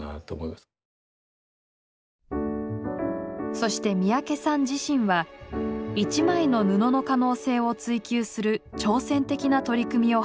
そして三宅さん自身は「一枚の布」の可能性を追究する挑戦的な取り組みを始めます。